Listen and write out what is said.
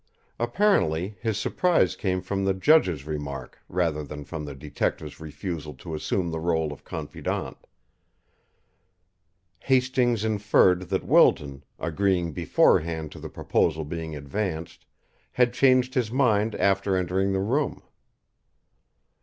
Apparently, his surprise came from the judge's remark rather than from the detective's refusal to assume the rôle of confidant. Hastings inferred that Wilton, agreeing beforehand to the proposal being advanced, had changed his mind after entering the room.